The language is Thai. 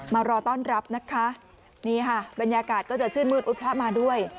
มารอต้อนรับนะคะนี่ค่ะบรรยากาศก็จะชื่นมืดอุ๊ยพระมาด้วย